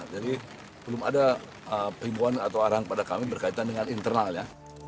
jadi belum ada pembohongan atau arahan pada kami berkaitan dengan internalnya